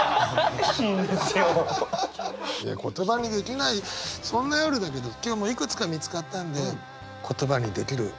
言葉にできないそんな夜だけど今日もいくつか見つかったんで言葉にできる朝が来たようです。